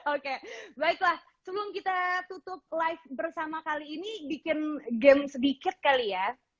oke baiklah sebelum kita tutup live bersama kali ini bikin game sedikit kali ya